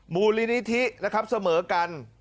มูลนิธินะครับเสมอกัน